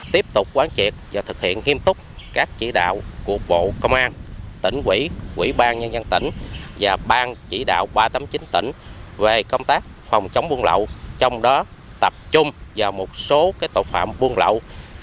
tiếp tục quán triệt và thực hiện nghiêm túc các chỉ đạo của bộ công an tỉnh quỹ quỹ ban nhân dân tỉnh và ban chỉ đạo ba trăm tám mươi chín tỉnh về công tác phòng chống buôn lậu trong đó tập trung vào một số tội phạm buôn lậu